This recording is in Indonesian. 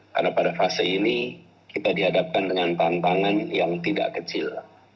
karena pada fase ini kita dihadapkan dengan tantangan yang tidak kecil